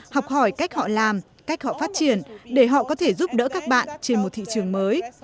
học hỏi cách họ làm cách họ phát triển để họ có thể giúp đỡ các bạn trên một thị trường mới